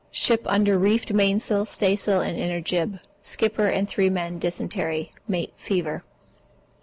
Ship under reefed mainsail, staysail, and inner jib. Skipper and 3 men dysentery. Mate fever.